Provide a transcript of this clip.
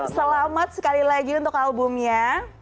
selamat sekali lagi untuk albumnya